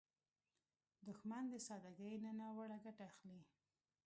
دښمن د سادګۍ نه ناوړه ګټه اخلي